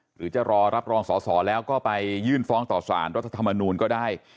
หรือจะรอรับรองสอสอแล้วก็ไปยื่นฟ้องต่อสารรัฐธรรมนูลก็ได้